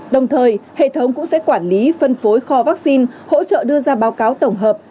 đồng thời hệ thống cũng sẽ quản lý phân phối kho vaccine hỗ trợ đưa ra báo cáo tổng hợp